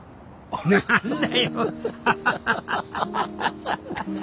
何だよ。